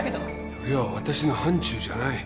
それは私の範ちゅうじゃない。